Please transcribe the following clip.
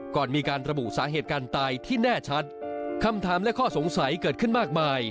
ก่อนมีการระบุสาเหตุการตายที่แน่ชัดคำถามและข้อสงสัยเกิดขึ้นมากมาย